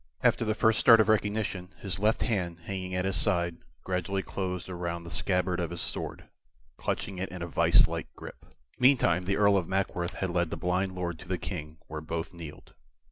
After the first start of recognition, his left hand, hanging at his side, gradually closed around the scabbard of his sword, clutching it in a vice like grip. Meantime the Earl of Mackworth had led the blind Lord to the King, where both kneeled.